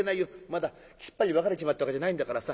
まだきっぱり別れちまったわけじゃないんだからさ。